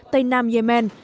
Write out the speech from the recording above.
tây nam yemen